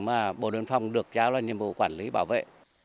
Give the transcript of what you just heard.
mà bộ đội biên phòng được trao ra nhiệm vụ quản lý bảo vệ